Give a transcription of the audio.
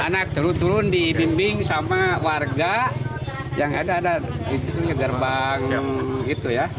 anak turun turun dibimbing sama warga yang ada ada gerbang itu ya